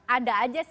ada aja sih